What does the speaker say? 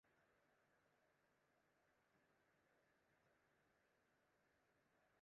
Ik ha leaver fisk.